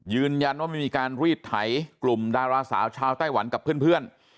ยืนยันว่าไม่มีการรีดไถกลุ่มดาราสาวชาวไต้หวันกับเพื่อน